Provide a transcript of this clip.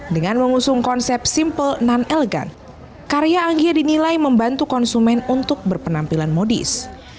dengan mengusung konsep simple non elegan karya anggia dinilai membantu konsumen untuk berpenampilan modis